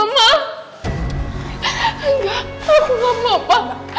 enggak aku enggak mau pak